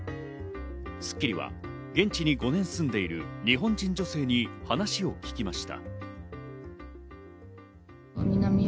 『スッキリ』は現地に５年住んでいる日本人女性に話を聞きました。